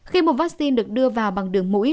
khi một vaccine được đưa vào bằng đường mũi